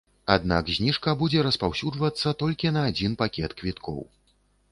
Аднак зніжка будзе распаўсюджвацца толькі на адзін пакет квіткоў.